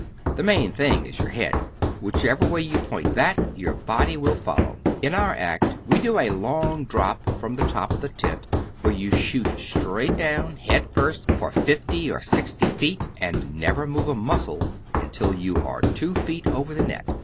The main thing is your head. Whichever way you point that your body will follow. In our act we do a long drop from the top of the tent, where you shoot straight down, head first, for fifty or sixty feet and never move a muscle until you are two feet over the net.